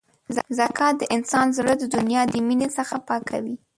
زکات د انسان زړه د دنیا د مینې څخه پاکوي.